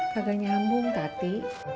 kagak nyambung tati